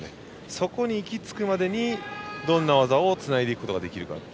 そこに行き着くまでにどんな技をつないでいくことができるか。